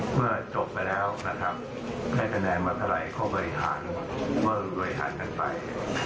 เมื่อจบไปแล้วนะครับในแปลงมาไถลก็เวยหันเวยหันกันไป